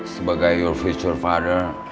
sebagai your future father